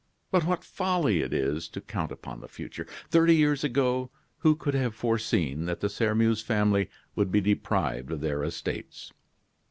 But what folly it is to count upon the future. Thirty years ago, who could have foreseen that the Sairmeuse family would be deprived of their estates?"